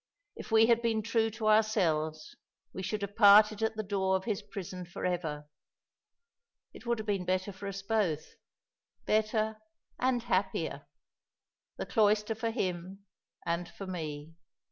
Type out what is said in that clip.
"If we had been true to ourselves we should have parted at the door of his prison for ever. It would have been better for us both better and happier. The cloister for him and for me.